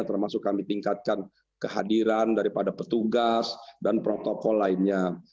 termasuk kami tingkatkan kehadiran daripada petugas dan protokol lainnya